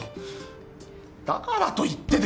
だからといってですよ。